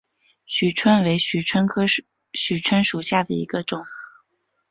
蜍蝽为蜍蝽科蜍蝽属下的一个种。